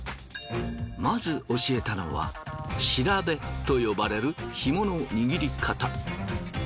まず教えたのは調べと呼ばれる紐の握り方。